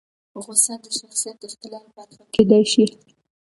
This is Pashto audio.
غوسه د شخصیت اختلال برخه کېدای شي.